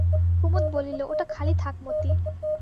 কুমুদ বলিল, ওটা খালি থাক মতি।